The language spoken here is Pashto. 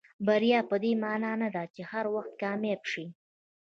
بریا پدې معنا نه ده چې هر وخت کامیاب شئ.